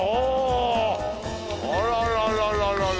あらららら。